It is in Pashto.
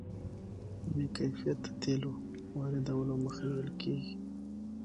د بې کیفیته تیلو واردولو مخه نیول کیږي.